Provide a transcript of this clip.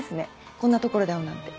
こんな所で会うなんて。